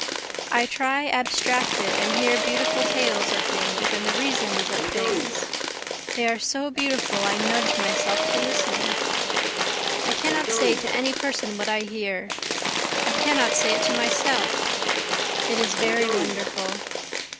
I lie abstracted and hear beautiful tales of things and the reasons of things, They are so beautiful I nudge myself to listen. I cannot say to any person what I hear I cannot say it to myself it is very wonderful.